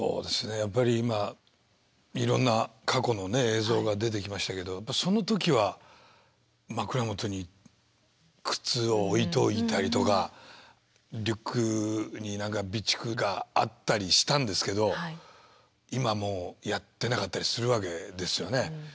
やっぱり今いろんな過去の映像が出てきましたけどその時は枕元に靴を置いておいたりとかリュックに備蓄があったりしたんですけど今もうやってなかったりするわけですよね。